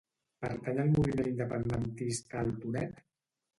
Pertany al moviment independentista el Tonet?